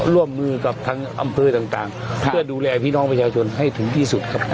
ร่วมมือกับทางอำเภอต่างเพื่อดูแลพี่น้องประชาชนให้ถึงที่สุดครับ